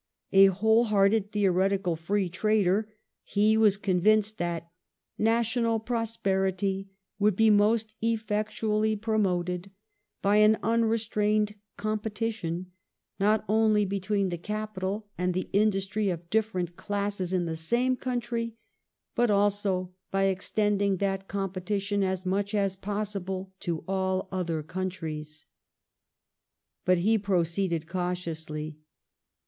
A wholeheaited Reform theoretical free trader, he was convinced that " national prosperity would be most effectually promoted by an unrestrained competi tion not only between the capital and the industry of different classes in the same country, but also by extending that competi tion as much as possible to all other countries ".^ But he pro ceeded cautiously.